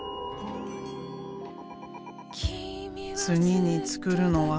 次に作るのは。